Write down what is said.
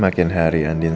nah kaya gitu anjir